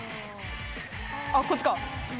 あっ、こっちか。